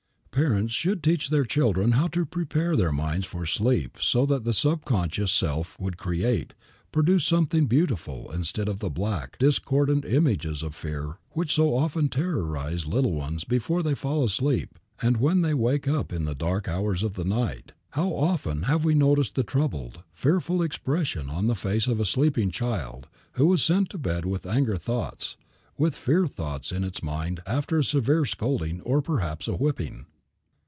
Parents should teach their children how to prepare their minds for sleep so that the subconscious self would create, produce something beautiful instead of the black, discordant images of fear which so often terrorize little ones before they fall asleep and when they wake up in the dark hours of the night. How often have we noticed the troubled, fear full expression on the face of a sleeping child, who was sent to bed with anger thoughts, with fear thoughts in its mind after a severe scolding or perhaps a whipping.